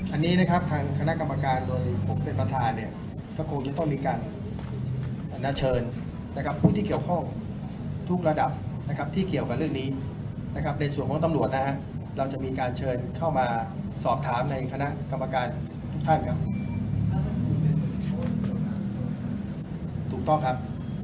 อันนี้นะครับทางคณะกรรมการโดยผมเป็นประธานเนี่ยก็คงจะต้องมีการเชิญนะครับผู้ที่เกี่ยวข้องทุกระดับนะครับที่เกี่ยวกับเรื่องนี้นะครับในส่วนของตำรวจนะฮะเราจะมีการเชิญเข้ามาสอบถามในคณะกรรมการทุกท่านครับถูกต้องครับ